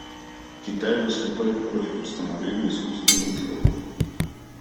Китай выступает против установления искусственных сроков.